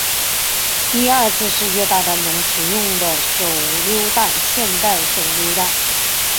第二次世界大战中使用的手榴弹现代手榴弹